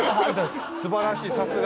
すばらしいさすが。